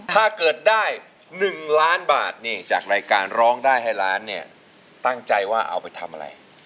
ถ้าเกิดได้๑ล้านบาทนี่จากรายการร้องได้ให้ล้านเนี่ยตั้งใจว่าเอาไปทำอะไร